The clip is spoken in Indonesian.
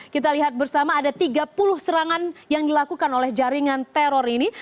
kita lihat bersama ada tiga puluh serangan yang dilakukan oleh jaringan teror ini